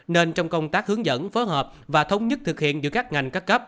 nên trong công tác hướng dẫn phối hợp và thống nhất thực hiện giữa các ngành các cấp